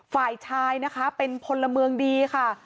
ฝ่ายชายนะคะเป็นพลเมืองดีค่ะ